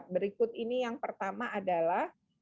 berikut ini yang pertama adalah